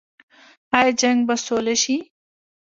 آیا جنګ به سوله شي؟